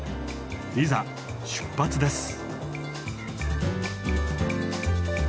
いざ出発です！